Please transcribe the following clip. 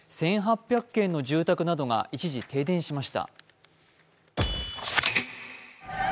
１８００軒の住宅などが一時、停電しました。